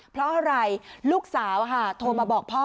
เพราะอะไรลูกสาวโทรมาบอกพ่อ